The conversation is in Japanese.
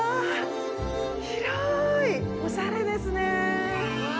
おしゃれですね。